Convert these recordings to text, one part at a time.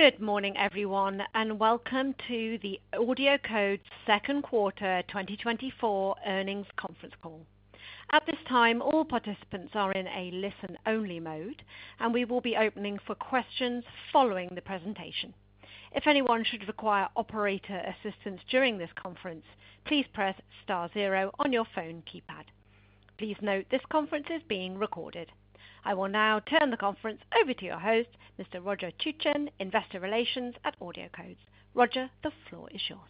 Good morning, everyone, and welcome to the AudioCodes' second quarter 2024 earnings conference call. At this time, all participants are in a listen-only mode, and we will be opening for questions following the presentation. If anyone should require operator assistance during this conference, please press star zero on your phone keypad. Please note, this conference is being recorded. I will now turn the conference over to your host, Mr. Roger Choucroun, Investor Relations at AudioCodes. Roger, the floor is yours.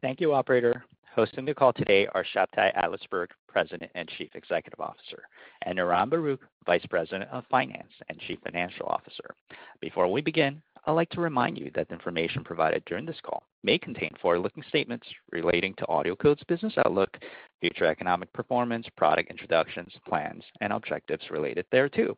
Thank you, operator. Hosting the call today are Shabtai Adlersberg, President and Chief Executive Officer, and Niran Baruch, Vice President of Finance and Chief Financial Officer. Before we begin, I'd like to remind you that the information provided during this call may contain forward-looking statements relating to AudioCodes' business outlook, future economic performance, product introductions, plans and objectives related thereto.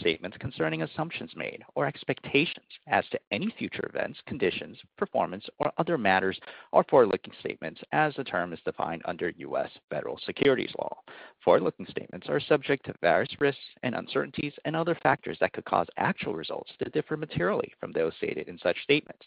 Statements concerning assumptions made or expectations as to any future events, conditions, performance, or other matters are forward-looking statements as the term is defined under U.S. federal securities law. Forward-looking statements are subject to various risks and uncertainties and other factors that could cause actual results to differ materially from those stated in such statements.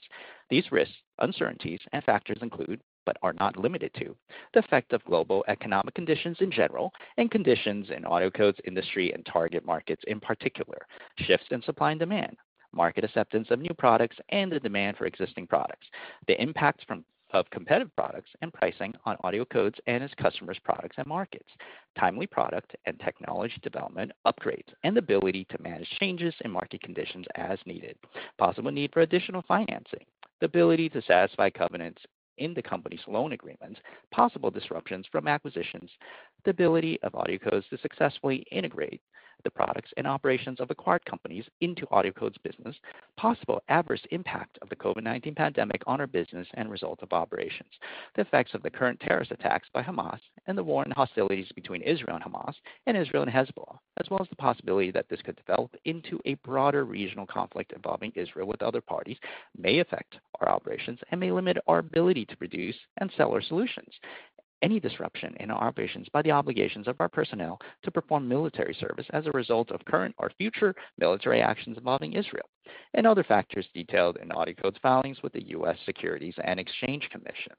These risks, uncertainties, and factors include, but are not limited to, the effect of global economic conditions in general and conditions in AudioCodes industry and target markets, in particular, shifts in supply and demand, market acceptance of new products and the demand for existing products, the impact of competitive products and pricing on AudioCodes and its customers, products, and markets. Timely product and technology development upgrades and ability to manage changes in market conditions as needed, possible need for additional financing, the ability to satisfy covenants in the company's loan agreements, possible disruptions from acquisitions, the ability of AudioCodes to successfully integrate the products and operations of acquired companies into AudioCodes business. Possible adverse impact of the COVID-19 pandemic on our business and results of operations. The effects of the current terrorist attacks by Hamas and the war and hostilities between Israel and Hamas, and Israel and Hezbollah, as well as the possibility that this could develop into a broader regional conflict involving Israel with other parties, may affect our operations and may limit our ability to produce and sell our solutions. Any disruption in our operations by the obligations of our personnel to perform military service as a result of current or future military actions involving Israel, and other factors detailed in AudioCodes filings with the U.S. Securities and Exchange Commission.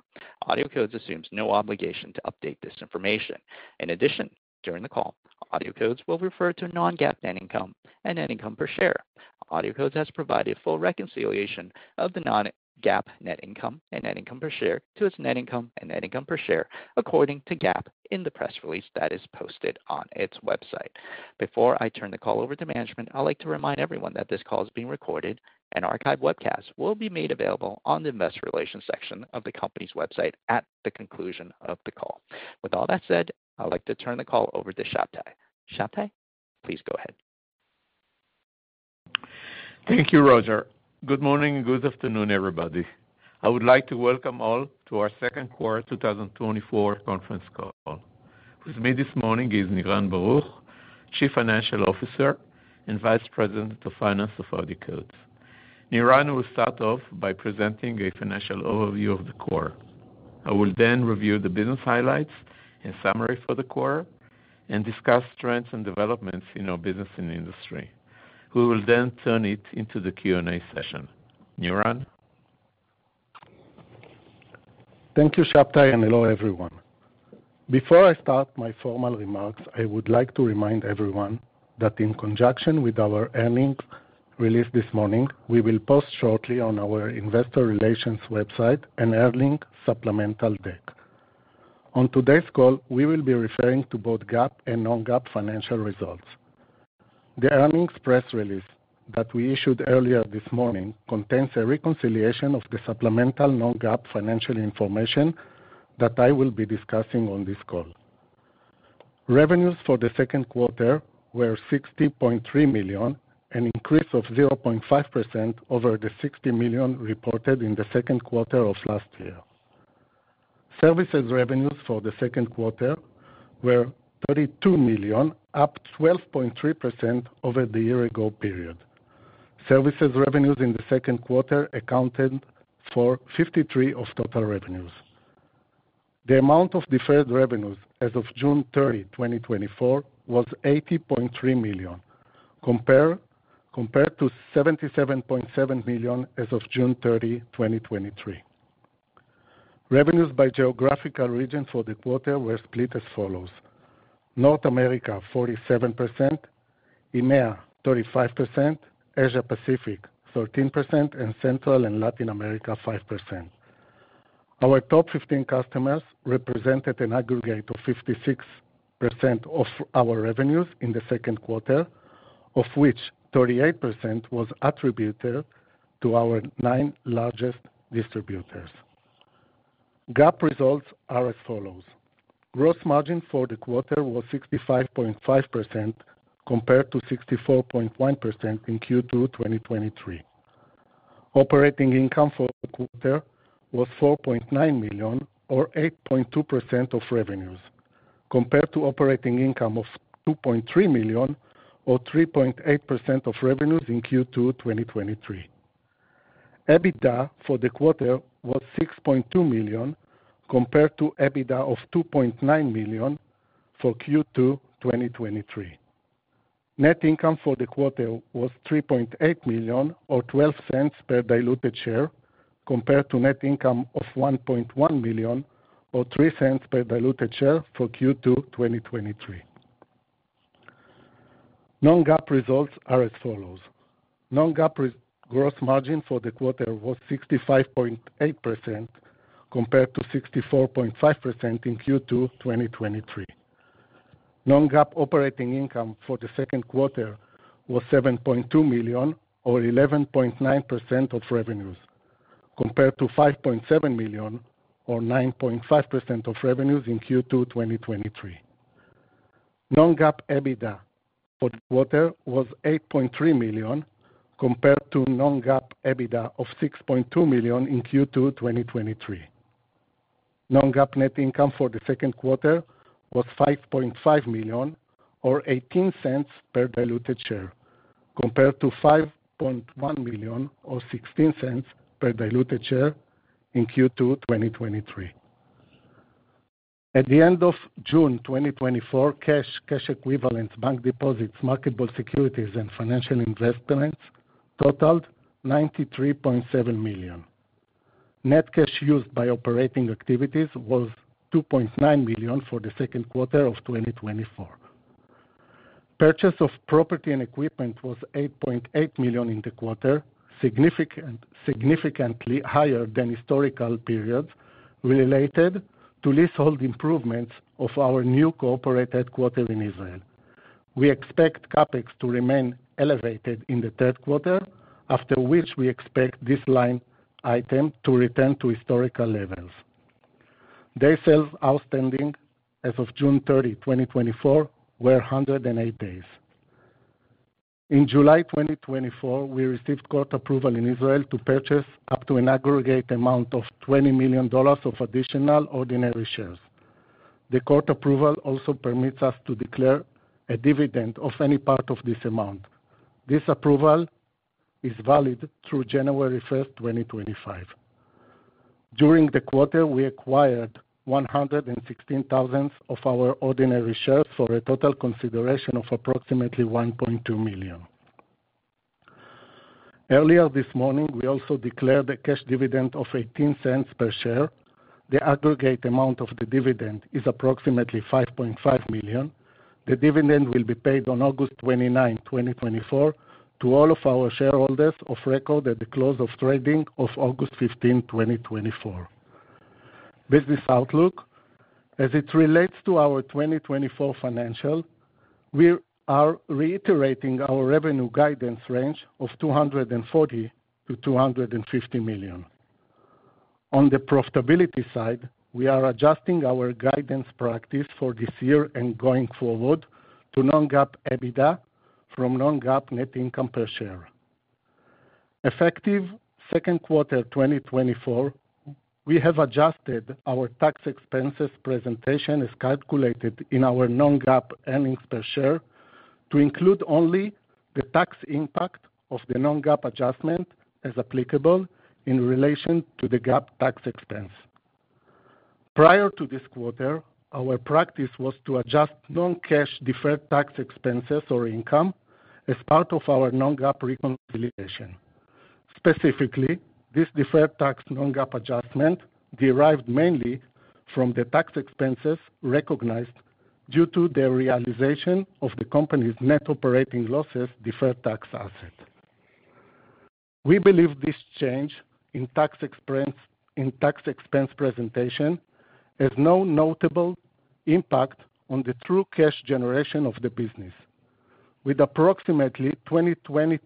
AudioCodes assumes no obligation to update this information. In addition, during the call, AudioCodes will refer to non-GAAP net income and net income per share. AudioCodes has provided full reconciliation of the non-GAAP net income and net income per share to its net income and net income per share, according to GAAP, in the press release that is posted on its website. Before I turn the call over to management, I'd like to remind everyone that this call is being recorded. An archive webcast will be made available on the investor relations section of the company's website at the conclusion of the call. With all that said, I'd like to turn the call over to Shabtai. Shabtai, please go ahead. Thank you, Roger. Good morning and good afternoon, everybody. I would like to welcome all to our second quarter 2024 conference call. With me this morning is Niran Baruch, Chief Financial Officer and Vice President of Finance of AudioCodes. Niran will start off by presenting a financial overview of the quarter. I will then review the business highlights, in summary for the quarter, and discuss trends and developments in our business and industry. We will then turn it into the Q&A session. Niran? Thank you, Shabtai, and hello, everyone. Before I start my formal remarks, I would like to remind everyone that in conjunction with our earnings release this morning, we will post shortly on our investor relations website an earnings supplemental deck. On today's call, we will be referring to both GAAP and non-GAAP financial results. The earnings press release that we issued earlier this morning contains a reconciliation of the supplemental non-GAAP financial information that I will be discussing on this call. Revenues for the second quarter were $60.3 million, an increase of 0.5% over the $60 million reported in the second quarter of last year. Services revenues for the second quarter were $32 million, up 12.3% over the year ago period. Services revenues in the second quarter accounted for 53% of total revenues. The amount of deferred revenues as of June 30, 2024, was $80.3 million, compared to $77.7 million as of June 30, 2023. Revenues by geographical regions for the quarter were split as follows: North America, 47%; EMEA, 35%; Asia Pacific, 13%; and Central and Latin America, 5%. Our top 15 customers represented an aggregate of 56% of our revenues in the second quarter, of which 38% was attributed to our nine largest distributors. GAAP results are as follows: Gross margin for the quarter was 65.5%, compared to 64.1% in Q2 2023. Operating income for the quarter was $4.9 million, or 8.2% of revenues, compared to operating income of $2.3 million, or 3.8% of revenues in Q2 2023. EBITDA for the quarter was $6.2 million, compared to EBITDA of $2.9 million for Q2 2023. Net income for the quarter was $3.8 million, or $0.12 per diluted share, compared to net income of $1.1 million, or $0.03 per diluted share for Q2 2023. Non-GAAP results are as follows: Non-GAAP gross margin for the quarter was 65.8%, compared to 64.5% in Q2 2023. Non-GAAP operating income for the second quarter was $7.2 million, or 11.9% of revenues, compared to $5.7 million, or 9.5% of revenues in Q2 2023. Non-GAAP EBITDA for the quarter was $8.3 million, compared to non-GAAP EBITDA of $6.2 million in Q2 2023. Non-GAAP net income for the second quarter was $5.5 million, or $0.18 per diluted share, compared to $5.1 million, or $0.16 per diluted share in Q2 2023. At the end of June 2024, cash equivalents, bank deposits, marketable securities, and financial investments totaled $93.7 million. Net cash used by operating activities was $2.9 million for the second quarter of 2024. Purchase of property and equipment was $8.8 million in the quarter, significantly higher than historical periods related to leasehold improvements of our new corporate headquarters in Israel. We expect CapEx to remain elevated in the third quarter, after which we expect this line item to return to historical levels. Days sales outstanding as of June 30, 2024, were 108 days. In July 2024, we received court approval in Israel to purchase up to an aggregate amount of $20 million of additional ordinary shares. The court approval also permits us to declare a dividend of any part of this amount. This approval is valid through January 1, 2025. During the quarter, we acquired 116,000 of our ordinary shares for a total consideration of approximately $1.2 million. Earlier this morning, we also declared a cash dividend of $0.18 per share. The aggregate amount of the dividend is approximately $5.5 million. The dividend will be paid on August 29, 2024, to all of our shareholders of record at the close of trading of August 15, 2024. Business outlook. As it relates to our 2024 financials, we are reiterating our revenue guidance range of $240 million-$250 million. On the profitability side, we are adjusting our guidance practice for this year and going forward to non-GAAP EBITDA from non-GAAP net income per share. Effective second quarter of 2024, we have adjusted our tax expenses presentation is calculated in our non-GAAP earnings per share to include only the tax impact of the non-GAAP adjustment, as applicable, in relation to the GAAP tax expense. Prior to this quarter, our practice was to adjust non-cash deferred tax expenses or income as part of our non-GAAP reconciliation. Specifically, this deferred tax non-GAAP adjustment derived mainly from the tax expenses recognized due to the realization of the company's net operating losses deferred tax asset. We believe this change in tax expense, in tax expense presentation, has no notable impact on the true cash generation of the business. With approximately $202.2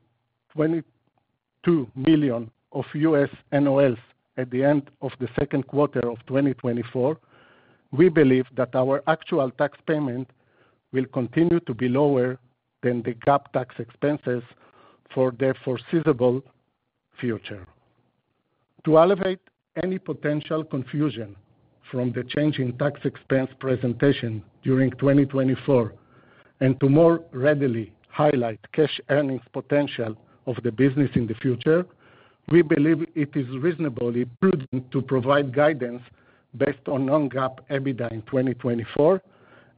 million of U.S. NOLs at the end of the second quarter of 2024, we believe that our actual tax payment will continue to be lower than the GAAP tax expenses for the foreseeable future. To elevate any potential confusion from the change in tax expense presentation during 2024, and to more readily highlight cash earnings potential of the business in the future, we believe it is reasonably prudent to provide guidance based on non-GAAP EBITDA in 2024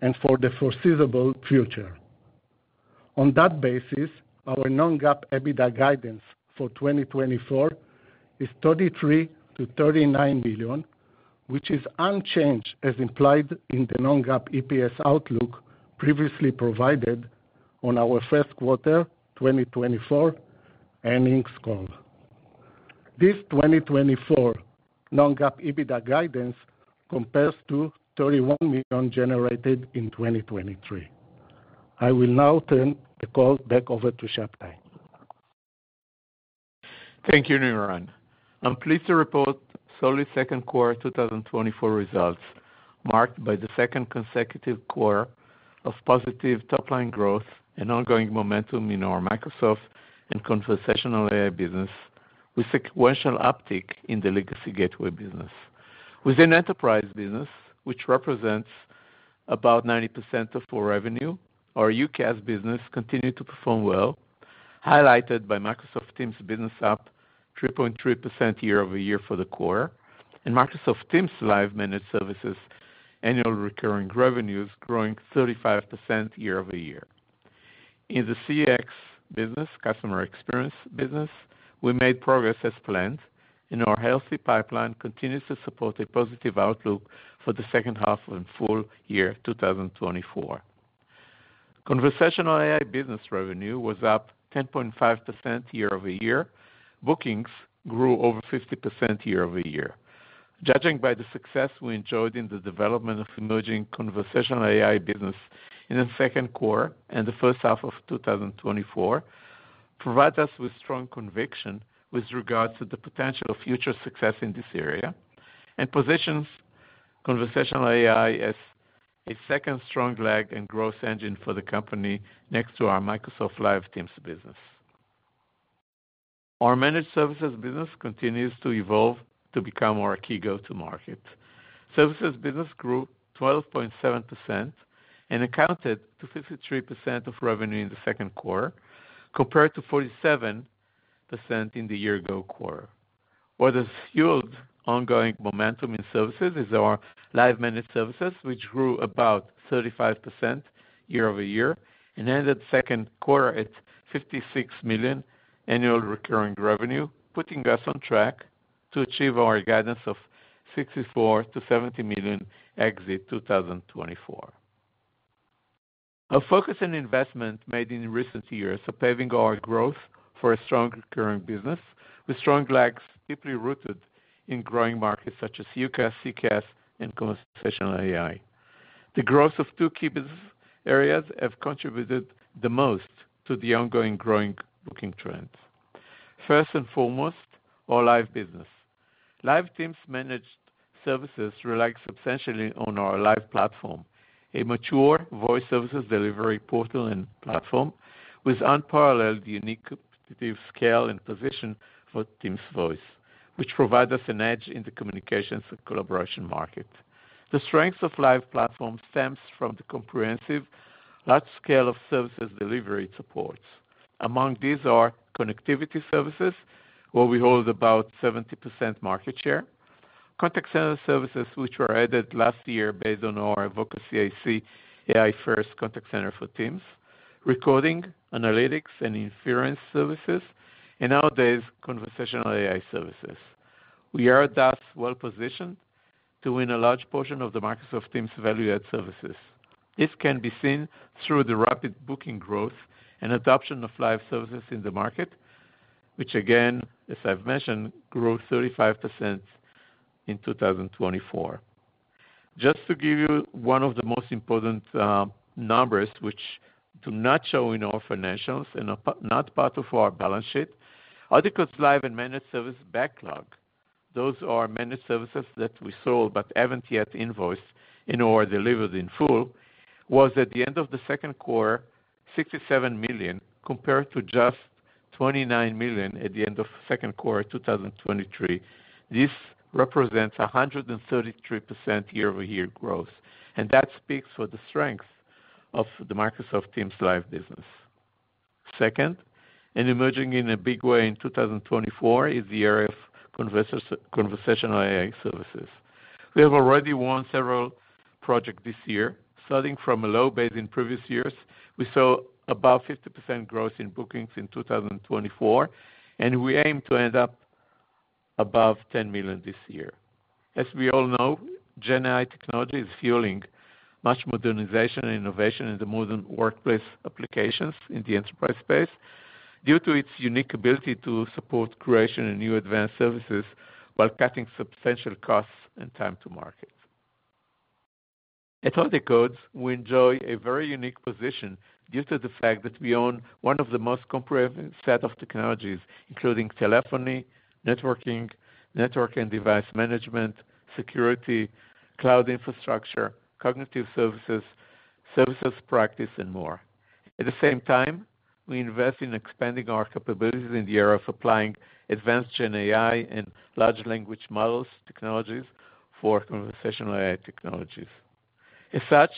and for the foreseeable future. On that basis, our non-GAAP EBITDA guidance for 2024 is $33-$39 million, which is unchanged as implied in the non-GAAP EPS outlook previously provided on our first quarter 2024 earnings call. This 2024 non-GAAP EBITDA guidance compares to $31 million generated in 2023. I will now turn the call back over to Shabtai. Thank you, Niran. I'm pleased to report solid second quarter 2024 results, marked by the second consecutive quarter of positive top-line growth and ongoing momentum in our Microsoft and conversational AI business, with sequential uptick in the legacy gateway business. Within enterprise business, which represents about 90% of our revenue. Our UCaaS business continued to perform well, highlighted by Microsoft Teams business up 3.3% year-over-year for the quarter, and Microsoft Teams Live Managed Services annual recurring revenues growing 35% year-over-year. In the CX business, customer experience business, we made progress as planned, and our healthy pipeline continues to support a positive outlook for the second half and full year 2024. Conversational AI business revenue was up 10.5% year-over-year. Bookings grew over 50% year-over-year. Judging by the success we enjoyed in the development of emerging conversational AI business in the second quarter and the first half of 2024, provides us with strong conviction with regards to the potential of future success in this area, and positions conversational AI as a second strong leg and growth engine for the company next to our Microsoft Live Teams business. Our managed services business continues to evolve to become our key go-to market. Services business grew 12.7% and accounted to 53% of revenue in the second quarter, compared to 47% in the year ago quarter. What has fueled ongoing momentum in services is our Live managed services, which grew about 35% year-over-year and ended second quarter at $56 million annual recurring revenue, putting us on track to achieve our guidance of $64 million-$70 million exit 2024. Our focus and investment made in recent years are paving our growth for a strong recurring business, with strong legs deeply rooted in growing markets such as UCaaS, CCaaS, and conversational AI. The growth of two key business areas have contributed the most to the ongoing growing booking trends. First and foremost, our Live business. Live Teams Managed Services rely substantially on our Live platform, a mature voice services delivery portal and platform with unparalleled unique competitive scale and position for Teams Voice, which provide us an edge in the communications and collaboration market. The strength of Live Platform stems from the comprehensive large-scale services delivery it supports. Among these are connectivity services, where we hold about 70% market share; contact center services, which were added last year based on our Voca CIC AI-first contact center for Teams; recording, analytics, and inference services, and nowadays, conversational AI services. We are, thus, well-positioned to win a large portion of the Microsoft Teams value-add services. This can be seen through the rapid booking growth and adoption of Live services in the market, which again, as I've mentioned, grew 35% in 2024. Just to give you one of the most important numbers, which do not show in our financials and are not part of our balance sheet, our Live Managed Services backlog. Those are managed services that we sold but haven't yet invoiced in or delivered in full, was at the end of the second quarter, $67 million, compared to just $29 million at the end of second quarter 2023. This represents 133% year-over-year growth, and that speaks for the strength of the Microsoft Teams Live business. Second, and emerging in a big way in 2024, is the era of conversational AI services. We have already won several projects this year, starting from a low base in previous years. We saw about 50% growth in bookings in 2024, and we aim to end up above $10 million this year. As we all know, GenAI technology is fueling much modernization and innovation in the modern workplace applications in the enterprise space, due to its unique ability to support creation and new advanced services while cutting substantial costs and time to market. At AudioCodes, we enjoy a very unique position due to the fact that we own one of the most comprehensive set of technologies, including telephony, networking, network and device management, security, cloud infrastructure, cognitive services, services practice, and more. At the same time, we invest in expanding our capabilities in the era of applying advanced GenAI and large language models, technologies for conversational AI technologies. As such,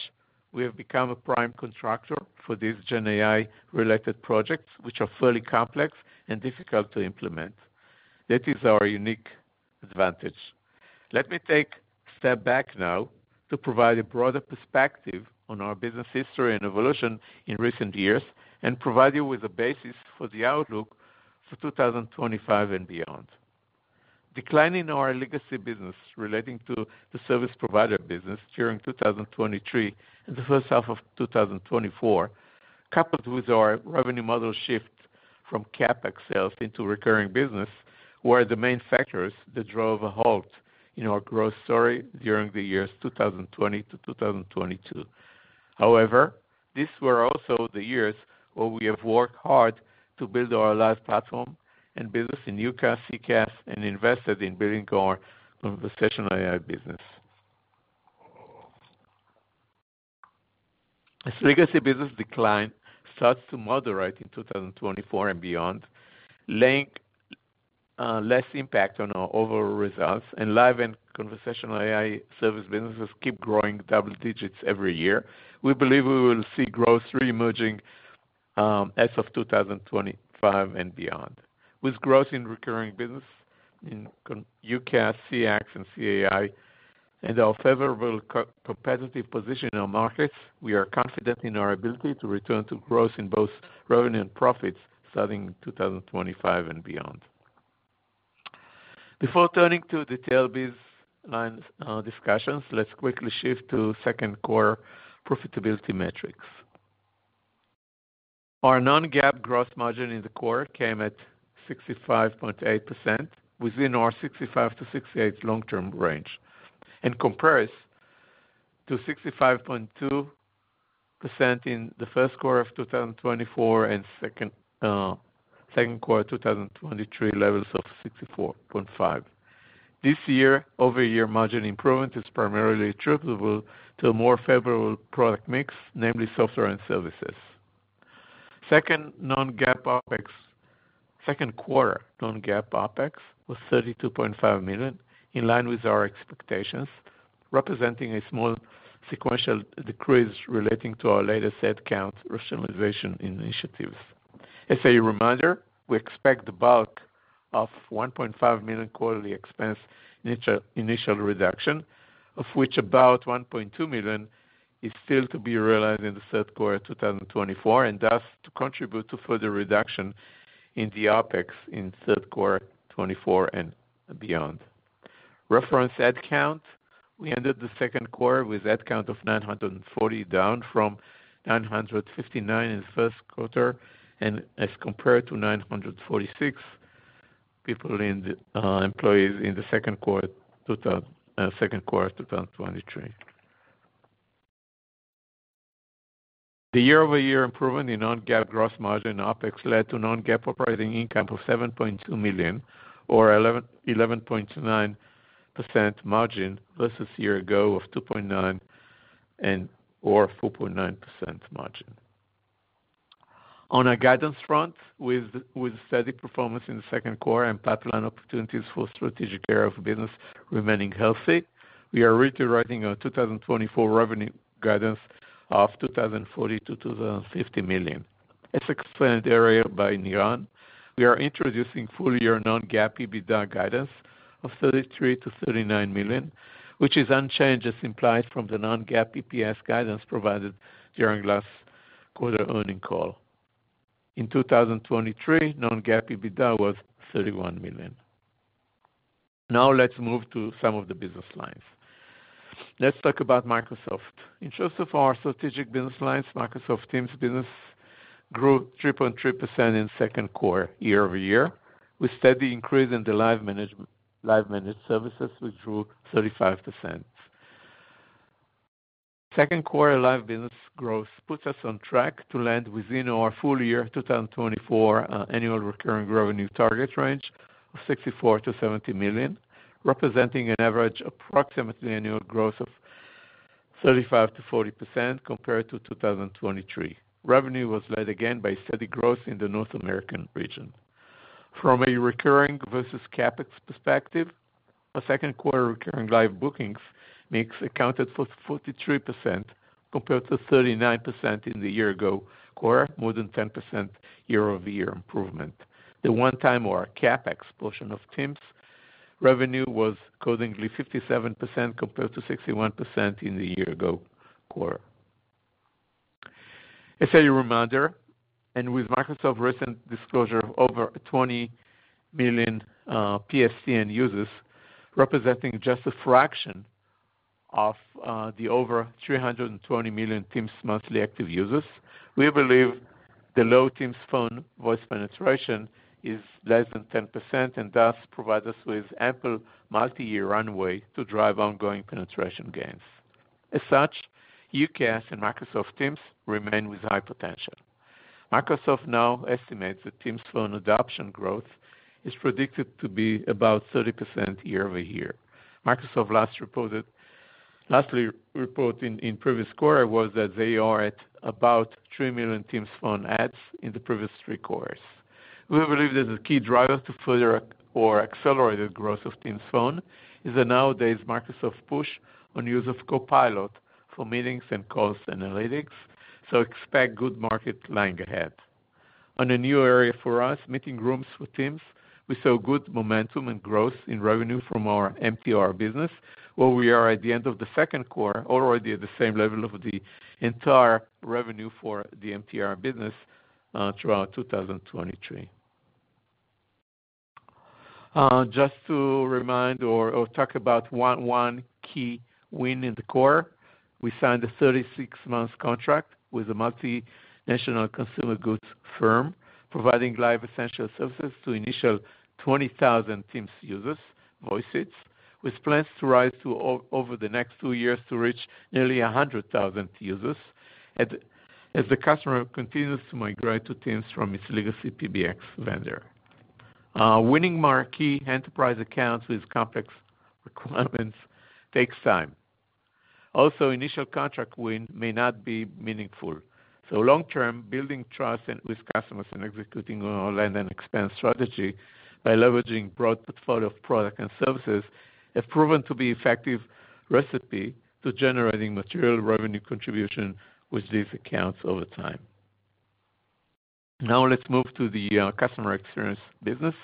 we have become a prime contractor for these GenAI-related projects, which are fairly complex and difficult to implement. That is our unique advantage. Let me take a step back now to provide a broader perspective on our business history and evolution in recent years and provide you with a basis for the outlook for 2025 and beyond. Decline in our legacy business relating to the service provider business during 2023 and the first half of 2024, coupled with our revenue model shift from CapEx sales into recurring business, were the main factors that drove a halt in our growth story during the years 2020 to 2022. However, these were also the years where we have worked hard to build our live platform and business in UCaaS, CCaaS, and invested in building our conversational AI business. As legacy business decline starts to moderate in 2024 and beyond, laying less impact on our overall results, and live and conversational AI service businesses keep growing double digits every year. We believe we will see growth reemerging as of 2025 and beyond. With growth in recurring business in UCaaS, CX, and CAI, and our favorable competitive position in our markets, we are confident in our ability to return to growth in both revenue and profits starting 2025 and beyond. Before turning to detail these lines discussions, let's quickly shift to second quarter profitability metrics. Our non-GAAP gross margin in the quarter came at 65.8%, within our 65%-68% long-term range, and compares to 65.2% in the first quarter of 2024, and second, second quarter 2023 levels of 64.5%. This year-over-year margin improvement is primarily attributable to a more favorable product mix, namely software and services. Second, non-GAAP OpEx, second quarter non-GAAP OpEx was $32.5 million, in line with our expectations, representing a small sequential decrease relating to our latest head count rationalization initiatives. As a reminder, we expect the bulk of $1.5 million quarterly expense initial reduction, of which about $1.2 million is still to be realized in the third quarter 2024, and thus to contribute to further reduction in the OpEx in third quarter 2024 and beyond. Reference head count, we ended the second quarter with head count of 940, down from 959 in the first quarter, and as compared to 946 employees in the second quarter of 2023. The year-over-year improvement in non-GAAP gross margin OpEx led to non-GAAP operating income of $7.2 million, or 11.9% margin versus year ago of $2.9 million, or 4.9% margin. On a guidance front, with steady performance in the second quarter and pipeline opportunities for strategic area of business remaining healthy, we are rewriting our 2024 revenue guidance of $204 million-$205 million. As explained earlier by Niran, we are introducing full-year non-GAAP EBITDA guidance of $33 million-$39 million, which is unchanged as implied from the non-GAAP EPS guidance provided during last quarter earnings call. In 2023, non-GAAP EBITDA was $31 million. Now, let's move to some of the business lines. Let's talk about Microsoft. In terms of our strategic business lines, Microsoft Teams business grew 3.3% in second quarter, year-over-year, with steady increase in the live managed services, which grew 35%. Second quarter live business growth puts us on track to land within our full year 2024 annual recurring revenue target range of $64 million-$70 million, representing an average approximately annual growth of 35%-40% compared to 2023. Revenue was led again by steady growth in the North American region. From a recurring versus CapEx perspective, our second quarter recurring live bookings mix accounted for 43%, compared to 39% in the year ago quarter, more than 10% year-over-year improvement. The one time or CapEx portion of Teams revenue was accordingly 57%, compared to 61% in the year ago quarter. As a reminder, and with Microsoft recent disclosure of over 20 million PSTN users, representing just a fraction of the over 320 million Teams monthly active users, we believe the low Teams Phone voice penetration is less than 10%, and thus provide us with ample multi-year runway to drive ongoing penetration gains. As such, UCaaS and Microsoft Teams remain with high potential. Microsoft now estimates that Teams Phone adoption growth is predicted to be about 30% year-over-year. Microsoft's last report in the previous quarter was that they are at about 3 million Teams Phone adds in the previous three quarters. We believe that the key driver to further or accelerated growth of Teams Phone is that nowadays, Microsoft's push on use of Copilot for meetings and calls analytics, so expect good market lying ahead. On a new area for us, meeting rooms with Teams, we saw good momentum and growth in revenue from our MTR business, where we are at the end of the second quarter, already at the same level of the entire revenue for the MTR business throughout 2023. Just to remind or talk about one key win in the quarter, we signed a 36-month contract with a multinational consumer goods firm, providing Live Essentials services to initial 20,000 Teams users, Voice add, with plans to rise to over the next two years to reach nearly 100,000 users, as the customer continues to migrate to Teams from its legacy PBX vendor. Winning marquee enterprise accounts with complex requirements takes time. Also, initial contract win may not be meaningful. So long term, building trust and with customers and executing on our land and expand strategy by leveraging broad portfolio of products and services, have proven to be effective recipe to generating material revenue contribution with these accounts over time. Now let's move to the customer experience business.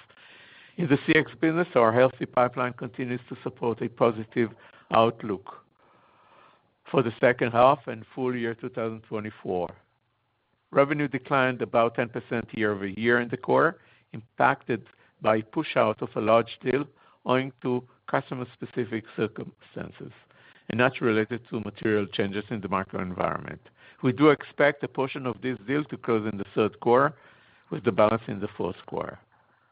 In the CX business, our healthy pipeline continues to support a positive outlook for the second half and full year 2024. Revenue declined about 10% year-over-year in the quarter, impacted by push out of a large deal owing to customer-specific circumstances, and that's related to material changes in the macro environment. We do expect a portion of this deal to close in the third quarter, with the balance in the fourth quarter.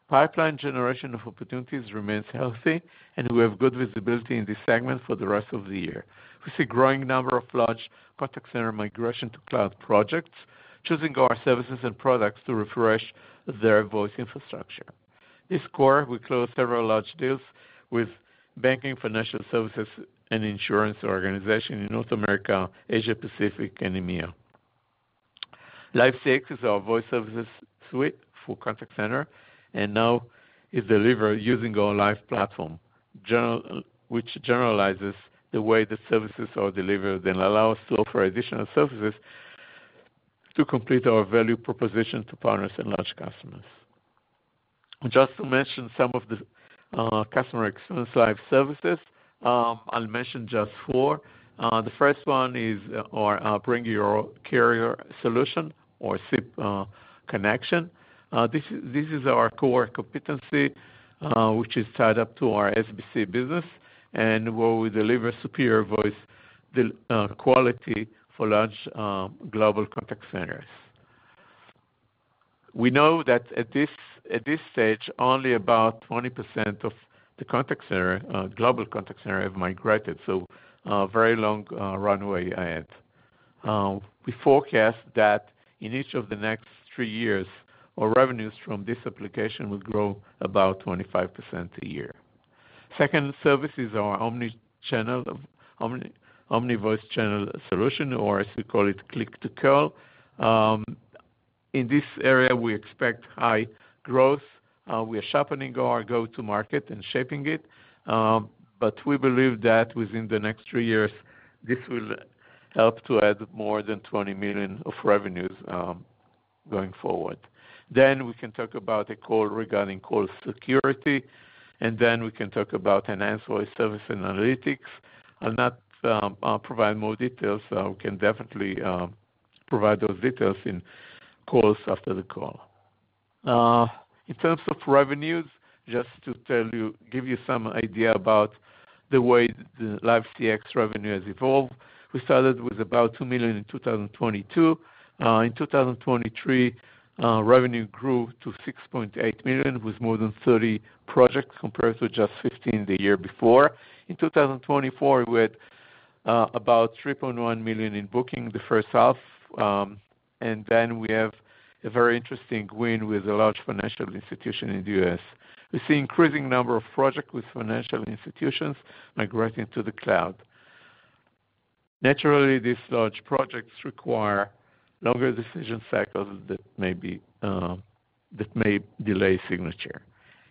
Pipeline generation of opportunities remains healthy, and we have good visibility in this segment for the rest of the year. We see a growing number of large contact center migration to cloud projects, choosing our services and products to refresh their voice infrastructure. This quarter, we closed several large deals with banking, financial services, and insurance organizations in North America, Asia Pacific, and EMEA. Live CX is our voice services suite for contact center, and now is delivered using our Live Platform, which generalizes the way the services are delivered and allow us to offer additional services to complete our value proposition to partners and large customers. Just to mention some of the customer experience live services, I'll mention just four. The first one is our bring your own carrier solution or SIP connection. This is our core competency, which is tied up to our SBC business, and where we deliver superior voice quality for large global contact centers. We know that at this stage, only about 20% of the contact center global contact center have migrated, so very long runway ahead. We forecast that in each of the next three years, our revenues from this application will grow about 25% a year. Second service is our omni voice channel solution, or as we call it, Click-to-Call. In this area, we expect high growth. We are sharpening our go-to-market and shaping it, but we believe that within the next three years, this will help to add more than $20 million of revenues going forward. Then we can talk about a call regarding call security, and then we can talk about enhanced voice service and analytics. I'll not provide more details. We can definitely provide those details in calls after the call. In terms of revenues, just to tell you, give you some idea about the way the Live CX revenue has evolved. We started with about $2 million in 2022. In 2023, revenue grew to $6.8 million, with more than 30 projects, compared to just 15 the year before. In 2024, we had about $3.1 million in booking the first half, and then we have a very interesting win with a large financial institution in the U.S. We see increasing number of projects with financial institutions migrating to the cloud. Naturally, these large projects require longer decision cycles that may be, that may delay signature.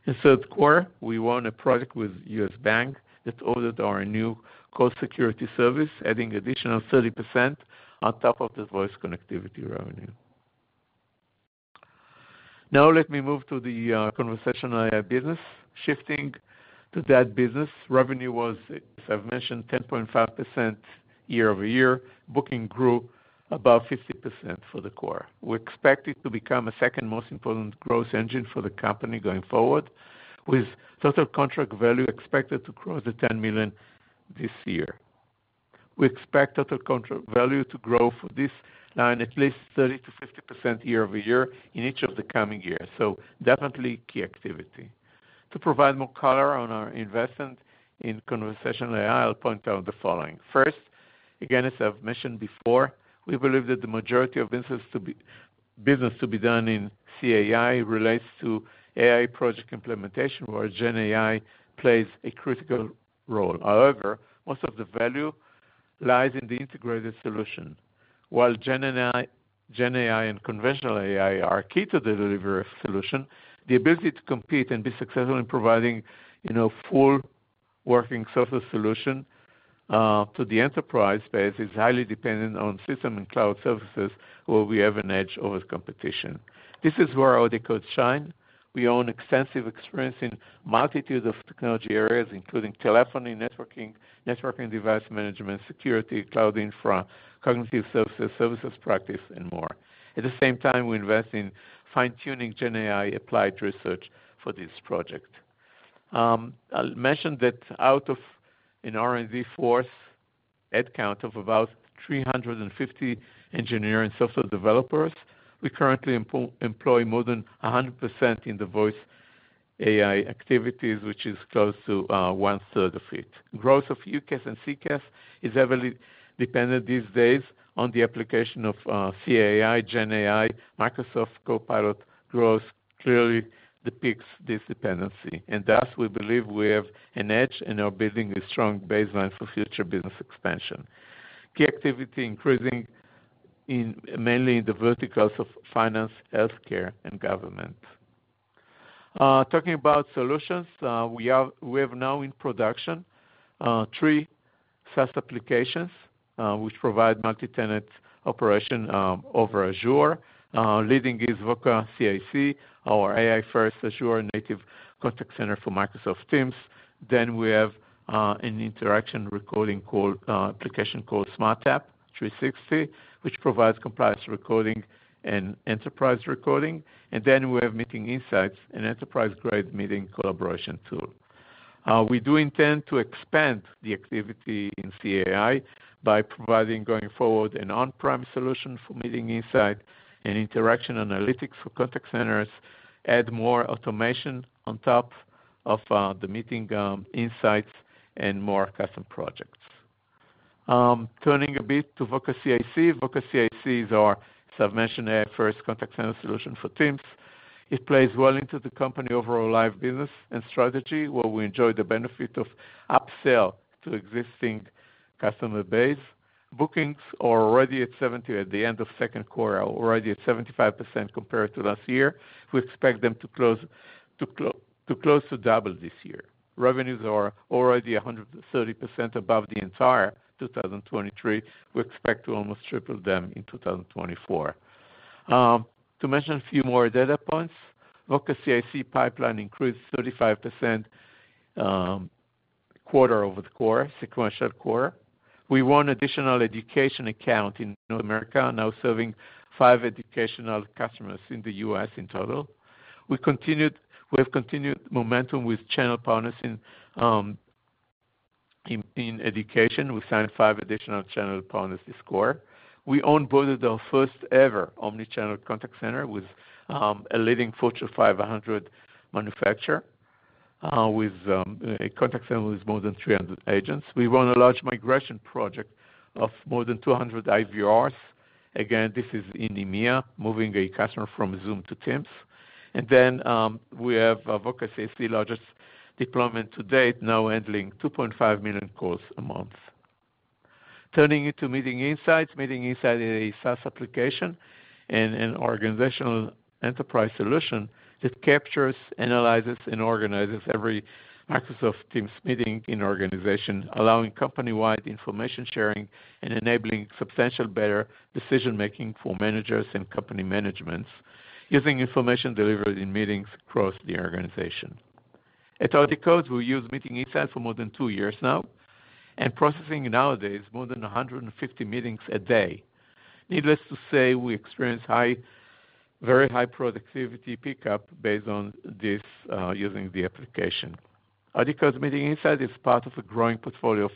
In third quarter, we won a project with U.S. Bank that ordered our new call security service, adding additional 30% on top of the voice connectivity revenue. Now let me move to the, conversational AI business. Shifting to that business, revenue was, as I've mentioned, 10.5% year-over-year. Booking grew above 50% for the quarter. We expect it to become the second most important growth engine for the company going forward, with total contract value expected to cross $10 million this year. We expect total contract value to grow for this line at least 30%-50% year-over-year in each of the coming years, so definitely key activity. To provide more color on our investment in conversational AI, I'll point out the following. First, again, as I've mentioned before, we believe that the majority of business to be done in CAI relates to AI project implementation, where GenAI plays a critical role. However, most of the value lies in the integrated solution. While GenAI and conversational AI are key to the delivery of solution, the ability to compete and be successful in providing, you know, full working software solution to the enterprise space, is highly dependent on system and cloud services, where we have an edge over the competition. This is where our AudioCodes shine. We own extensive experience in multitude of technology areas, including telephony, networking device management, security, cloud infra, cognitive services, services practice, and more. At the same time, we invest in fine-tuning GenAI applied research for this project. I'll mention that out of, in our R&D force head count of about 350 engineers and software developers. We currently employ more than 100% in the voice AI activities, which is close to one third of it. Growth of UCaaS and CCaaS is heavily dependent these days on the application of CAI, GenAI. Microsoft Copilot growth clearly depicts this dependency, and thus, we believe we have an edge and are building a strong baseline for future business expansion. Key activity increasing mainly in the verticals of finance, healthcare, and government. Talking about solutions, we have now in production three SaaS applications, which provide multi-tenant operation over Azure. Leading is Voca CIC, our AI-first Azure native contact center for Microsoft Teams. Then we have an interaction recording application called SmartTAP 360°, which provides compliance recording and enterprise recording. Then we have Meeting Insights, an enterprise-grade meeting collaboration tool. We do intend to expand the activity in CAI by providing, going forward, an on-prem solution for Meeting Insights and interaction analytics for contact centers, add more automation on top of the Meeting Insights, and more custom projects. Turning a bit to Voca CIC. Voca CIC is our, as I've mentioned, AI-first contact center solution for Teams. It plays well into the company overall live business and strategy, where we enjoy the benefit of upsell to existing customer base. Bookings are already at 75% at the end of second quarter compared to last year. We expect them to close to double this year. Revenues are already 130% above the entire 2023. We expect to almost triple them in 2024. To mention a few more data points, Voca CIC pipeline increased 35%, quarter-over-quarter, sequential quarter. We won additional education account in North America, now serving five educational customers in the U.S. in total. We have continued momentum with channel partners in education. We signed five additional channel partners this quarter. We onboarded our first-ever omni-channel contact center with a leading Fortune 500 manufacturer, with a contact center with more than 300 agents. We won a large migration project of more than 200 IVRs. Again, this is in EMEA, moving a customer from Zoom to Teams. Then, we have Voca CIC largest deployment to date, now handling 2.5 million calls a month. Turning to Meeting Insights. Meeting Insights is a SaaS application and an organizational enterprise solution that captures, analyzes, and organizes every Microsoft Teams meeting in organization, allowing company-wide information sharing and enabling substantial better decision-making for managers and company managements, using information delivered in meetings across the organization. At AudioCodes, we use Meeting Insights for more than two years now, and processing nowadays more than 150 meetings a day. Needless to say, we experience very high productivity pickup based on this, using the application. AudioCodes Meeting Insights is part of a growing portfolio of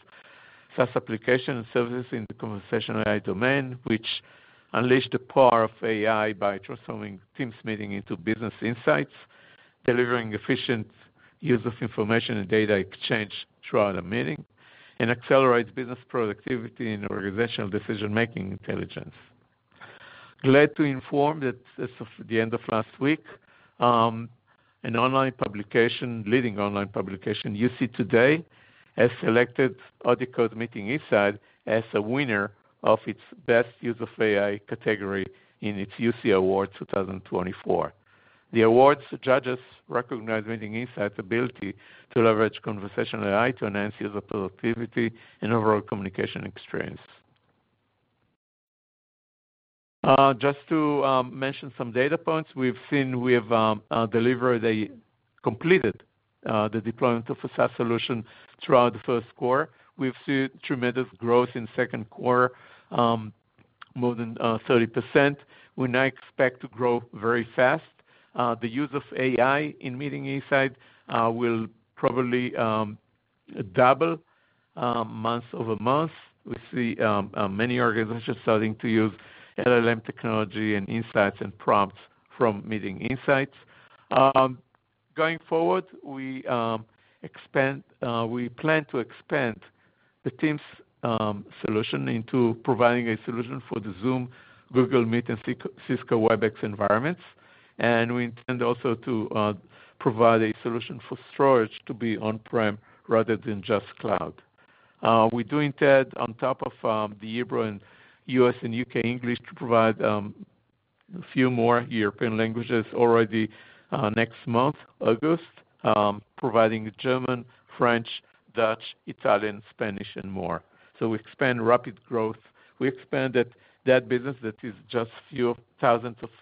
SaaS application and services in the conversational AI domain, which unleash the power of AI by transforming Teams meeting into business insights, delivering efficient use of information and data exchange throughout the meeting, and accelerates business productivity and organizational decision-making intelligence. Glad to inform that as of the end of last week, a leading online publication, UC Today, has selected AudioCodes Meeting Insights as a winner of its Best Use of AI category in its UC Award 2024. The awards judges recognized Meeting Insights ability to leverage conversational AI to enhance user productivity and overall communication experience. Just to mention some data points. We've seen we have completed the deployment of a SaaS solution throughout the first quarter. We've seen tremendous growth in second quarter, more than 30%. We now expect to grow very fast. The use of AI in Meeting Insights will probably double month-over-month. We see many organizations starting to use LLM technology and insights and prompts from Meeting Insights. Going forward, we plan to expand the Teams solution into providing a solution for the Zoom, Google Meet, and Cisco Webex environments. We intend also to provide a solution for storage to be on-prem rather than just cloud. We do intend, on top of the Hebrew and U.S. and U.K. English, to provide a few more European languages already next month, August, providing German, French, Dutch, Italian, Spanish, and more. So we expand rapid growth. We expanded that business that is just few thousand dollars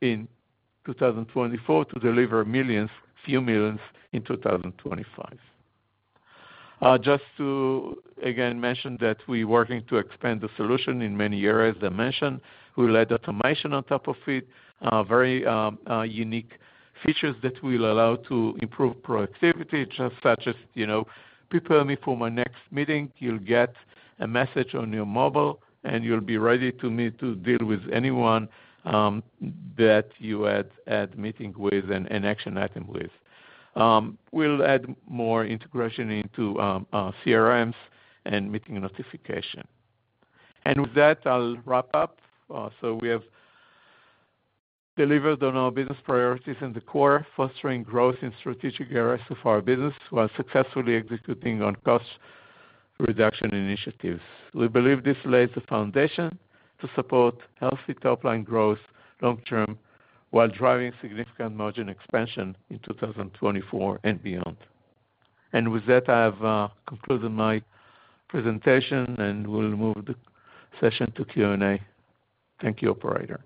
in 2024 to deliver millions, few millions in 2025. Just to again mention that we're working to expand the solution in many areas. I mentioned, we'll add automation on top of it, very unique features that will allow to improve productivity, just such as, you know, prepare me for my next meeting. You'll get a message on your mobile, and you'll be ready to meet, to deal with anyone that you had meeting with and an action item with. We'll add more integration into CRMs and meeting notification. With that, I'll wrap up. So we have delivered on our business priorities in the core, fostering growth in strategic areas of our business, while successfully executing on cost reduction initiatives. We believe this lays the foundation to support healthy top-line growth long-term, while driving significant margin expansion in 2024 and beyond. With that, I have concluded my presentation, and we'll move the session to Q&A. Thank you, operator.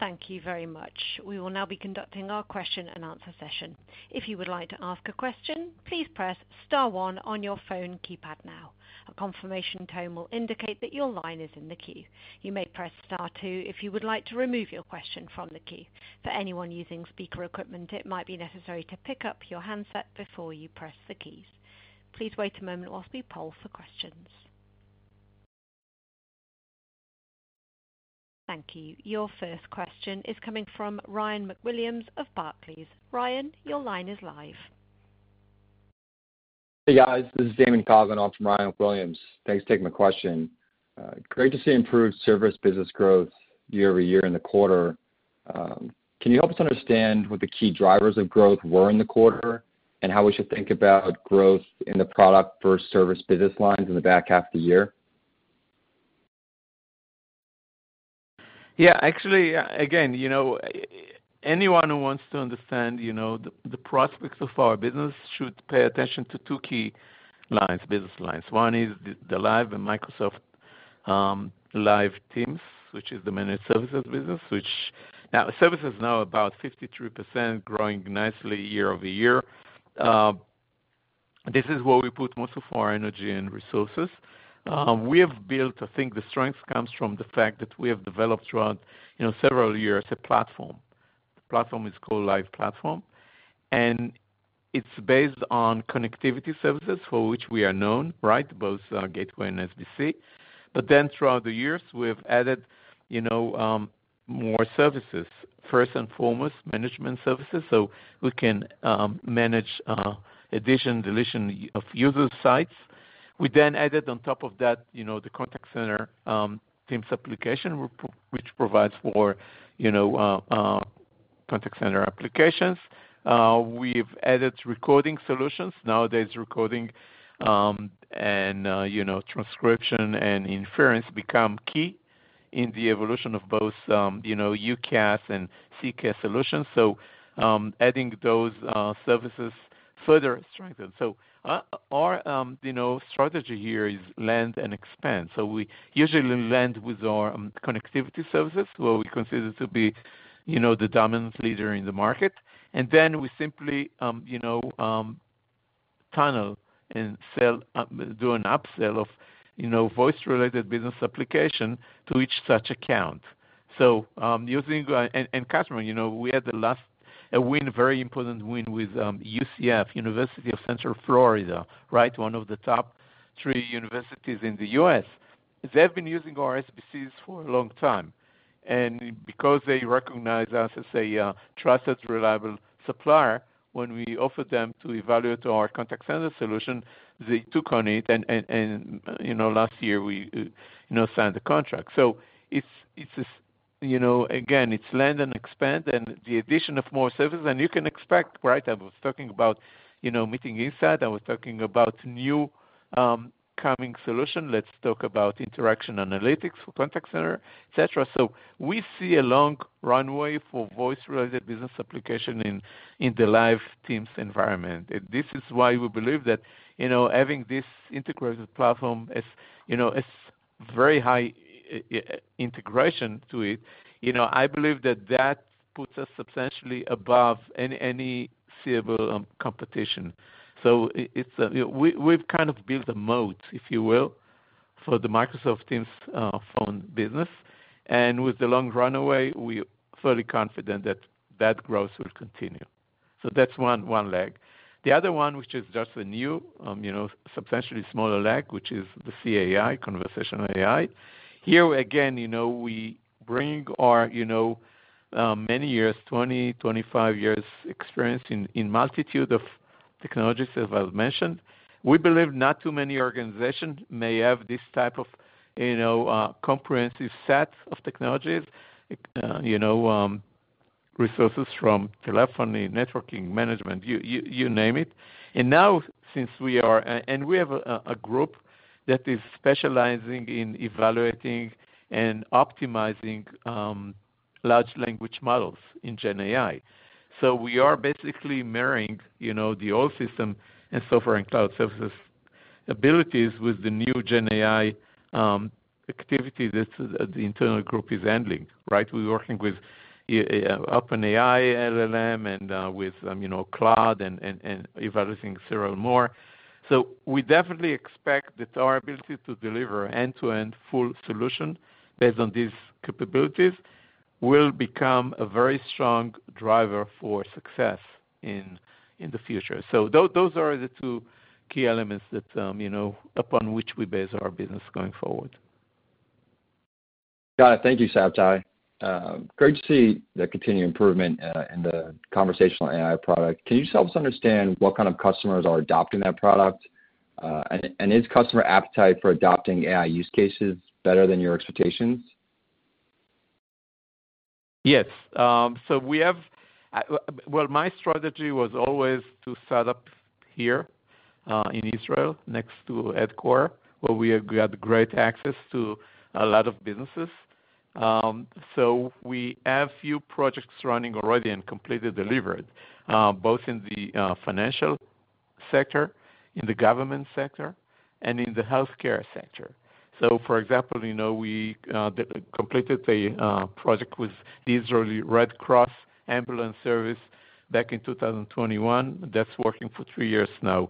Thank you very much. We will now be conducting our question and answer session. If you would like to ask a question, please press star one on your phone keypad now. A confirmation tone will indicate that your line is in the queue. You may press star two if you would like to remove your question from the queue. For anyone using speaker equipment, it might be necessary to pick up your handset before you press the keys. Please wait a moment while we poll for questions. Thank you. Your first question is coming from Ryan McWilliams of Barclays. Ryan, your line is live. Hey, guys. This is Damien Cosgrove from Ryan McWilliams. Thanks for taking my question. Great to see improved service business growth year-over-year in the quarter. Can you help us understand what the key drivers of growth were in the quarter, and how we should think about growth in the product versus service business lines in the back half of the year? Yeah, actually, again, you know, anyone who wants to understand, you know, the prospects of our business should pay attention to two key business lines. One is the Live and Microsoft Teams, which is the managed services business, which is now about 53%, growing nicely year-over-year. This is where we put most of our energy and resources. We have built. I think the strength comes from the fact that we have developed throughout, you know, several years, a platform. The platform is called Live Platform, and it's based on connectivity services for which we are known, right? Both our gateway and SBC. But then throughout the years, we have added, you know, more services, first and foremost, management services, so we can manage addition, deletion of user sites. We then added on top of that, you know, the contact center Teams application, which provides for, you know, contact center applications. We've added recording solutions. Nowadays, recording and, you know, transcription and inference become key in the evolution of both, you know, UCaaS and CCaaS solutions. So, adding those services further strengthen. So, our, you know, strategy here is land and expand. So we usually land with our connectivity services, where we consider to be, you know, the dominant leader in the market. Then we simply, you know, tunnel and sell, do an upsell of, you know, voice-related business application to each such account. So, using... And, and Catherine, you know, we had the last, a win, very important win with UCF, University of Central Florida, right? One of the top three universities in the U.S. They've been using our SBCs for a long time, and because they recognize us as a trusted, reliable supplier, when we offered them to evaluate our contact center solution, they took on it, and you know, last year we you know, signed the contract. So it's you know, again, it's land and expand and the addition of more services, and you can expect, right? I was talking about you know, Meeting Insights. I was talking about new coming solution. Let's talk about interaction analytics for contact center, et cetera. So we see a long runway for voice-related business application in the Live Teams environment and this is why we believe that you know, having this integrated platform is you know, is very high integration to it. You know, I believe that that puts us substantially above any scalable competition. So we've kind of built a moat, if you will, for the Microsoft Teams phone business and with the long runway, we're fully confident that that growth will continue. So that's one leg. The other one, which is just a new, you know, substantially smaller leg, which is the CAI, Conversational AI. Here, again, you know, we bring our, you know, many years, 25 years experience in multitude of technologies, as I've mentioned. We believe not too many organizations may have this type of, you know, comprehensive set of technologies, you know, resources from telephony, networking, management, you name it. Now, since we are... We have a group that is specializing in evaluating and optimizing large language models in Gen AI. So we are basically marrying, you know, the old system and software and cloud services abilities with the new Gen AI activity that the internal group is handling, right? We're working with OpenAI, LLM, and with, you know, Cloud and evaluating several more. So we definitely expect that our ability to deliver end-to-end full solution based on these capabilities will become a very strong driver for success in the future. So those are the two key elements that, you know, upon which we base our business going forward. Got it. Thank you, Shabtai. Great to see the continued improvement in the conversational AI product. Can you help us understand what kind of customers are adopting that product and is customer appetite for adopting AI use cases better than your expectations? Yes. So we have, well, my strategy was always to set up here in Israel, next to Edcor, where we have got great access to a lot of businesses. So we have few projects running already and completely delivered, both in the financial sector, in the government sector, and in the healthcare sector. So for example, you know, we completed a project with the Israeli Red Cross Ambulance Service back in 2021, that's working for three years now.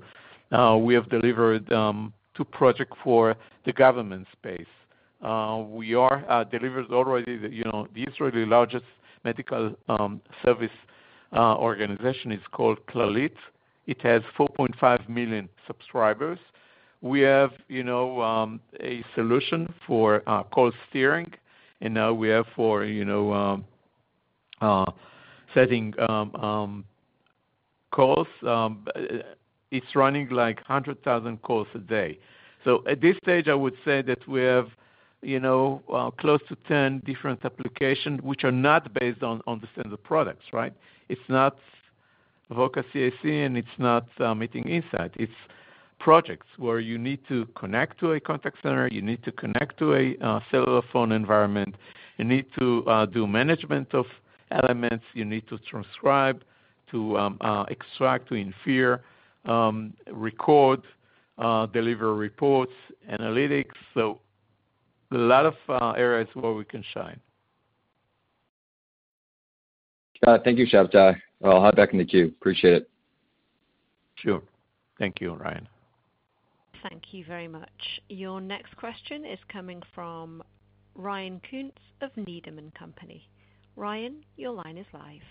We have delivered two projects for the government space. We have delivered already the, you know, the Israeli largest medical service organization. It's called Clalit. It has 4.5 million subscribers. We have, you know, a solution for call steering, and now we have for, you know, setting calls. It's running like 100,000 calls a day. So at this stage, I would say that we have, you know, close to 10 different applications which are not based on the standard products, right? It's not Voca CIC, and it's not Meeting Insights. It's projects where you need to connect to a contact center, you need to connect to a cellular phone environment, you need to do management of elements, you need to transcribe, to extract, to infer, record, deliver reports, analytics. So a lot of areas where we can shine. Thank you, Shabtai. I'll hop back in the queue. Appreciate it. Sure. Thank you, Ryan. Thank you very much. Your next question is coming from Ryan Koontz of Needham & Company. Ryan, your line is live.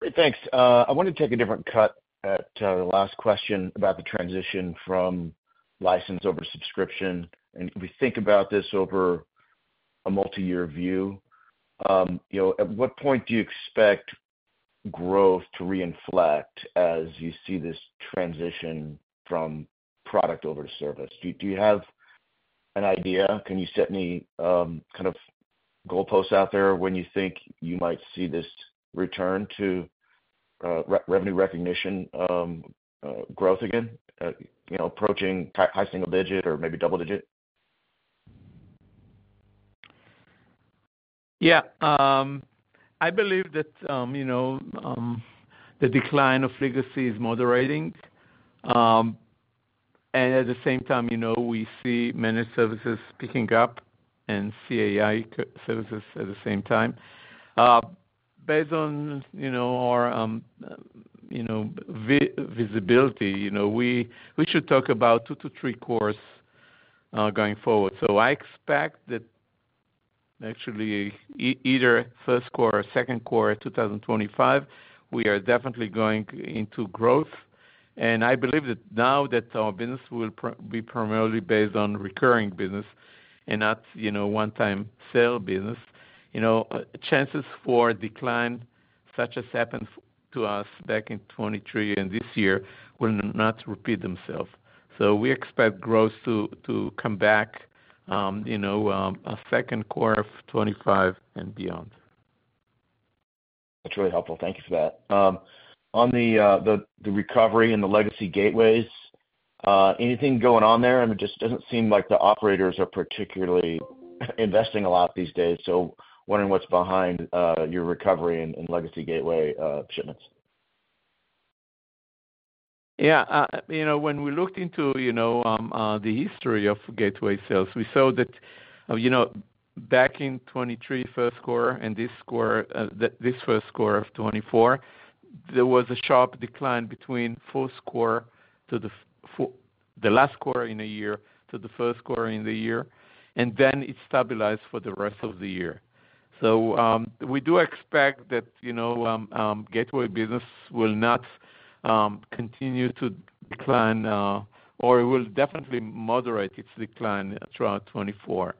Great, thanks. I wanted to take a different cut at the last question about the transition from license over subscription. If we think about this over a multi-year view, you know, at what point do you expect growth to reinflate as you see this transition from product over to service? Do you have an idea? Can you set any kind of goalposts out there when you think you might see this return to revenue recognition growth again, you know, approaching high single digit or maybe double digit? Yeah. I believe that, you know, the decline of legacy is moderating. At the same time, you know, we see managed services picking up and CAI services at the same time. Based on, you know, our, you know, visibility, you know, we should talk about 2-3 quarters going forward. So I expect that actually either first quarter or second quarter of 2025, we are definitely going into growth. I believe that now that our business will be primarily based on recurring business and not, you know, one-time sale business, you know, chances for decline, such as happened to us back in 2023 and this year, will not repeat themselves. So we expect growth to come back, you know, a second quarter of 2025 and beyond. That's really helpful. Thank you for that. On the recovery and the legacy gateways, anything going on there? I mean, it just doesn't seem like the operators are particularly investing a lot these days, so wondering what's behind your recovery in legacy gateway shipments. Yeah, you know, when we looked into, you know, the history of gateway sales, we saw that, you know, back in 2023, first quarter and this quarter, this first quarter of 2024, there was a sharp decline between fourth quarter to the fourth. The last quarter in a year to the first quarter in the year, and then it stabilized for the rest of the year. So, we do expect that, you know, gateway business will not continue to decline, or it will definitely moderate its decline throughout 2024.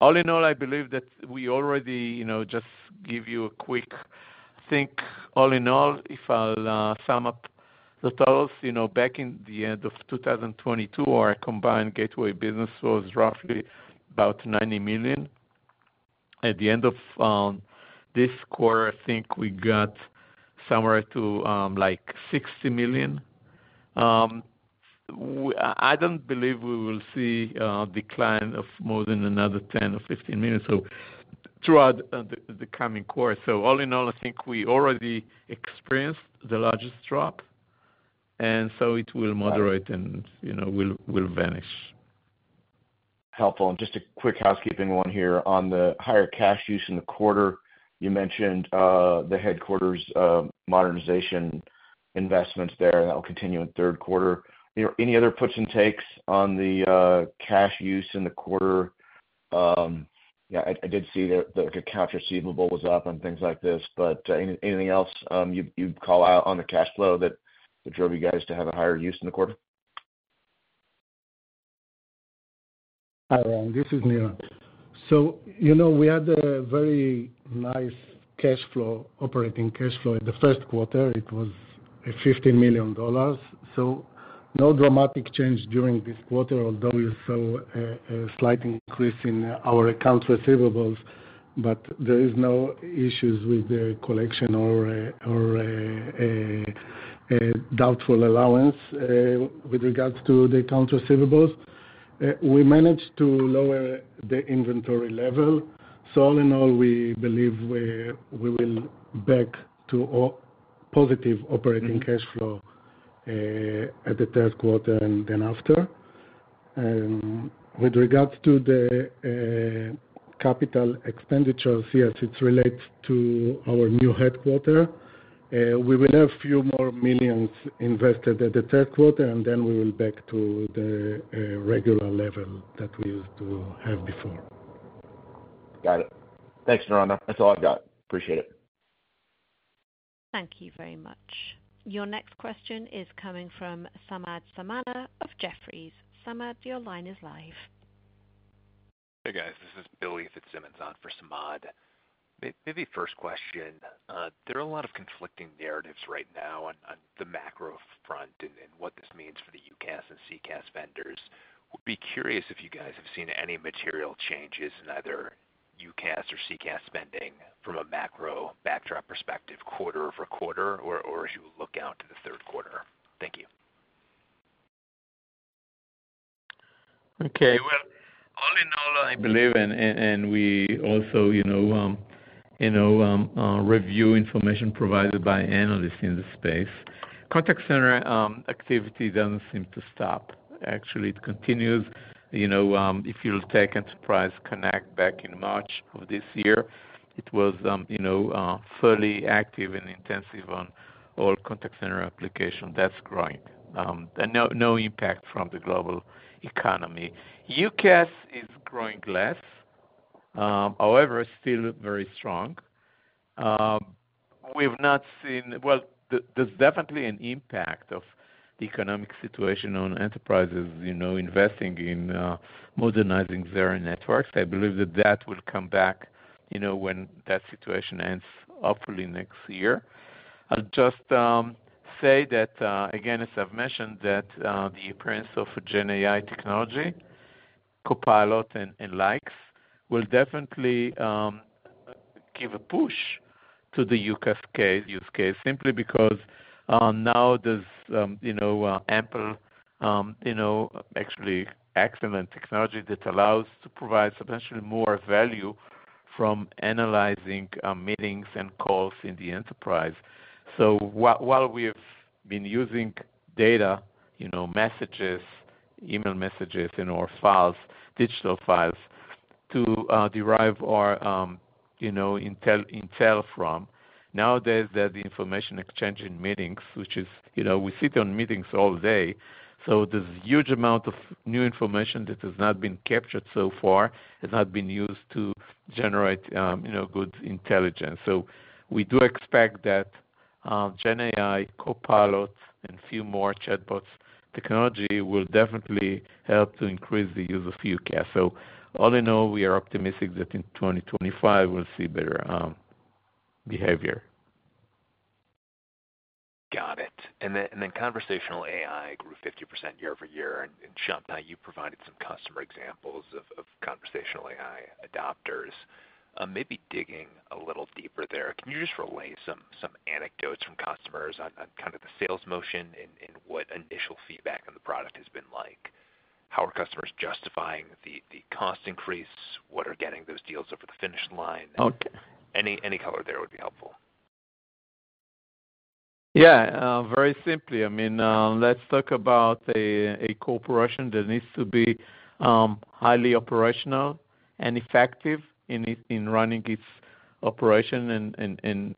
All in all, I believe that we already, you know, just give you a quick think. All in all, if I'll sum up the totals, you know, back in the end of 2022, our combined gateway business was roughly about $90 million. At the end of this quarter, I think we got somewhere to like $60 million. I don't believe we will see a decline of more than another $10-$15 million. So throughout the coming quarter. So all in all, I think we already experienced the largest drop, and so it will moderate and, you know, will vanish. Helpful. Just a quick housekeeping one here. On the higher cash use in the quarter, you mentioned the headquarters modernization investments there, and that will continue in third quarter. Any other puts and takes on the cash use in the quarter? Yeah, I did see that the accounts receivable was up and things like this, but anything else you'd call out on the cash flow that drove you guys to have a higher use in the quarter? Hi, Ron, this is Nir. So, you know, we had a very nice cash flow, operating cash flow in the first quarter. It was $50 million, so no dramatic change during this quarter, although we saw a slight increase in our accounts receivables. But there is no issues with the collection or a doubtful allowance with regards to the accounts receivables. We managed to lower the inventory level, so all in all, we believe we will back to all positive operating cash flow at the third quarter and then after. With regards to the capital expenditures, yes, it relates to our new headquarters. We will have a few more million invested at the third quarter, and then we will back to the regular level that we used to have before. Got it. Thanks, Niran. That's all I've got. Appreciate it. Thank you very much. Your next question is coming from Samad Samana of Jefferies. Samad, your line is live. Hey, guys. This is Billy Fitzsimmons on for Samad. Maybe first question. There are a lot of conflicting narratives right now on the macro front and what this means for the UCaaS and CCaaS vendors. Would be curious if you guys have seen any material changes in either UCaaS or CCaaS spending from a macro backdrop perspective, quarter-over-quarter, or as you look out to the third quarter. Thank you. Okay. Well, all in all, I believe, and we also, you know, you know, review information provided by analysts in the space. Contact center activity doesn't seem to stop. Actually, it continues. You know, if you'll take Enterprise Connect back in March of this year, it was, you know, fully active and intensive on all contact center application. That's growing and no impact from the global economy. UCaaS is growing less, however, still very strong. We've not seen... Well, there's definitely an impact of the economic situation on enterprises, you know, investing in, modernizing their networks. I believe that that will come back, you know, when that situation ends, hopefully next year. I'll just say that again, as I've mentioned, that the appearance of GenAI technology, Copilot and, and likes, will definitely give a push to the UCaaS case, use case, simply because now there's you know ample you know actually excellent technology that allows to provide substantially more value from analyzing meetings and calls in the enterprise. So while we've been using data, you know, messages, email messages and or files, digital files, to derive our you know intel from, nowadays, there's the information exchange in meetings, which is, you know, we sit on meetings all day, so there's huge amount of new information that has not been captured so far, has not been used to generate you know good intelligence. So we do expect that, GenAI, Copilots, and few more chatbots technology will definitely help to increase the use of UCaaS. So all in all, we are optimistic that in 2025, we'll see better, behavior. Got it. Then conversational AI grew 50% year-over-year, and Shabtai, you provided some customer examples of conversational AI adopters. Maybe digging a little deeper there, can you just relay some anecdotes from customers on kind of the sales motion and what initial feedback on the product has been like? How are customers justifying the cost increase? What are getting those deals over the finish line? Any, any color there would be helpful. Yeah. Very simply, I mean, let's talk about a corporation that needs to be highly operational and effective in it, in running its operation in, in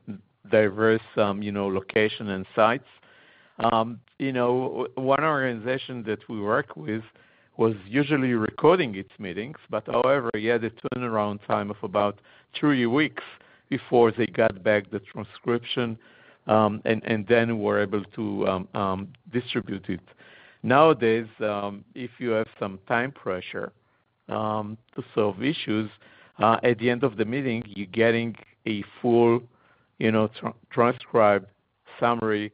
diverse, you know, locations and sites. You know, one organization that we work with was usually recording its meetings, but however, he had a turnaround time of about three weeks before they got back the transcription, and then were able to distribute it. Nowadays, if you have some time pressure to solve issues at the end of the meeting, you're getting a full, you know, transcribed summary,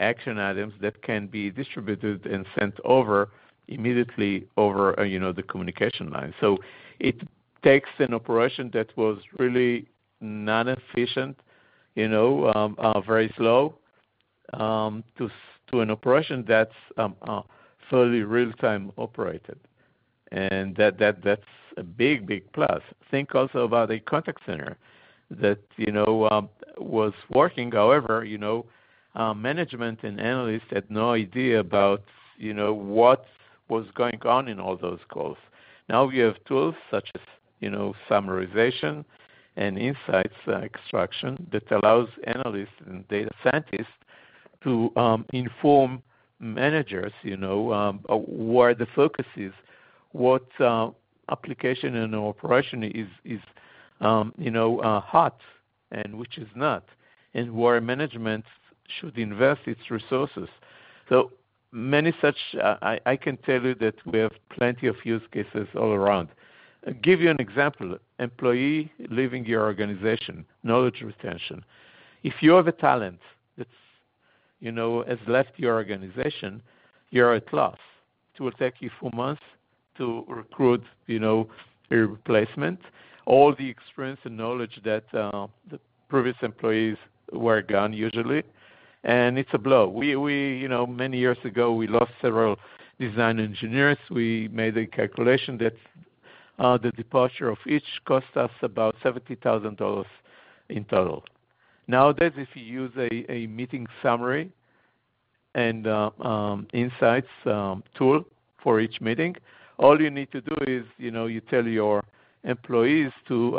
action items that can be distributed and sent over immediately over, you know, the communication line. So it takes an operation that was really non-efficient, you know, very slow to an operation that's fully real-time operated, and that's a big, big plus. Think also about a contact center that, you know, was working. However, you know, management and analysts had no idea about, you know, what was going on in all those calls. Now we have tools such as, you know, summarization and insights extraction, that allows analysts and data scientists to inform managers, you know, where the focus is, what application and/or operation is hot and which is not, and where management should invest its resources. So many such, I can tell you that we have plenty of use cases all around. Give you an example, employee leaving your organization, knowledge retention. If you have a talent that's, you know, has left your organization, you're at loss. It will take you four months to recruit, you know, a replacement. All the experience and knowledge that the previous employees were gone usually, and it's a blow. You know, many years ago, we lost several design engineers. We made a calculation that the departure of each cost us about $70,000 in total. Nowadays, if you use a meeting summary and insights tool for each meeting, all you need to do is, you know, you tell your employees to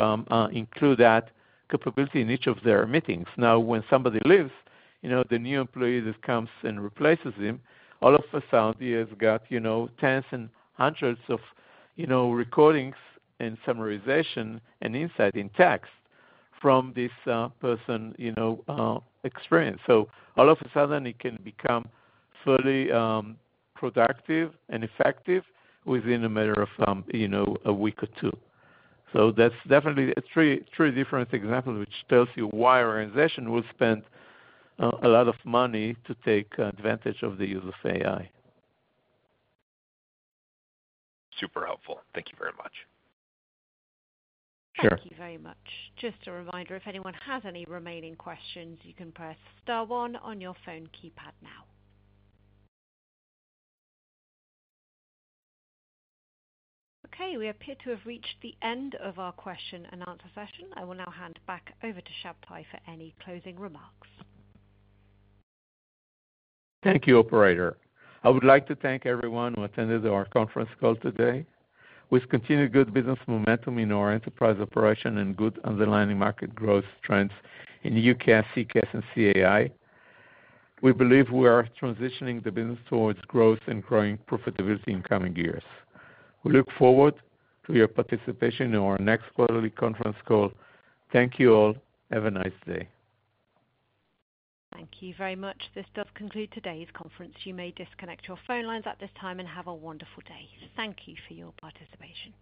include that capability in each of their meetings. Now, when somebody leaves, you know, the new employee that comes and replaces him, all of a sudden, he has got, you know, tens and hundreds of recordings and summarization and insight in text from this person experience. So all of a sudden it can become fully productive and effective within a matter of, you know, a week or two. So that's definitely three different examples, which tells you why organization will spend a lot of money to take advantage of the use of AI. Super helpful. Thank you very much. Sure. Thank you very much. Just a reminder, if anyone has any remaining questions, you can press star one on your phone keypad now. Okay, we appear to have reached the end of our question-and-answer session. I will now hand back over to Shabtai for any closing remarks. Thank you, operator. I would like to thank everyone who attended our conference call today. With continued good business momentum in our enterprise operation and good underlying market growth trends in UCaas, CCaaS, and CAI, we believe we are transitioning the business towards growth and growing profitability in coming years. We look forward to your participation in our next quarterly conference call. Thank you all. Have a nice day. Thank you very much. This does conclude today's conference. You may disconnect your phone lines at this time and have a wonderful day. Thank you for your participation.